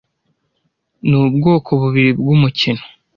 ni ubwoko bubiri bwumukino